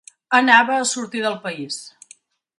Anava a sortir del país.